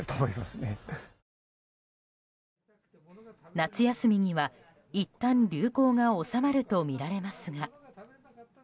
夏休みには、いったん流行が収まるとみられますが。